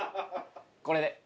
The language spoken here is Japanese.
これで。